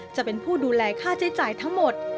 จะเป็นผู้ดูแลค่าใช้จ่ายทั้งหมด